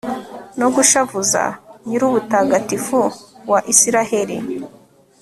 no gushavuza nyir'ubutagatifu wa israheli